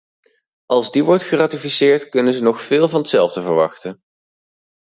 Als die wordt geratificeerd, kunnen ze nog veel van hetzelfde verwachten.